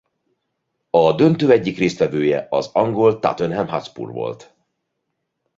A döntő egyik résztvevője az angol Tottenham Hotspur volt.